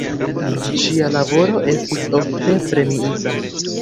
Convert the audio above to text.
Ŝia laboro estis ofte premiita.